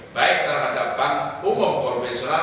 baik terhadap bank umum konvensional